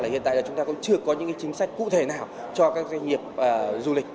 hiện tại chúng ta cũng chưa có những chính sách cụ thể nào cho các doanh nghiệp du lịch